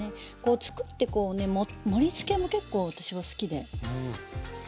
作ってこうね盛りつけも結構私は好きで。